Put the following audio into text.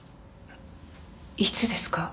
いつですか？